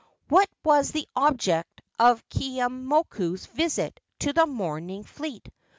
What was the object of Keeaumoku's visit to the mourning fleet?